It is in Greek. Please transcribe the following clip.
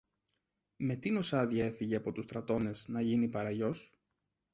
Με τίνος άδεια έφυγε από τους στρατώνες να γίνει παραγιός;